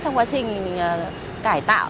trong quá trình cải tạo